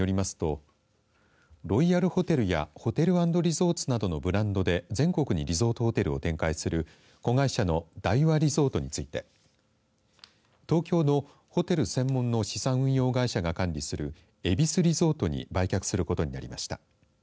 大和ハウス工業によりますとロイヤルホテルやホテル＆リゾーツなどのブランドで全国にリゾートホテル展開する子会社の大和リゾートについて東京のホテル専門の資産運用会社が管理する恵比寿リゾートに売却することになりました。